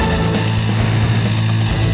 lo sudah bisa berhenti